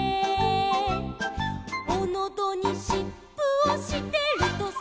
「おのどにしっぷをしてるとさ」